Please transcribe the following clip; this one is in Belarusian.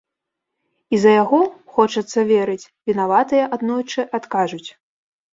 І за яго, хочацца верыць, вінаватыя аднойчы адкажуць.